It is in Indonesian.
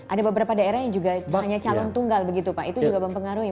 ada beberapa daerah yang hanya calon tunggal begitu pak itu juga mempengaruhi mungkin ya